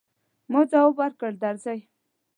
ما ځواب ورکړ، درځئ.